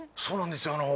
そうなんですよ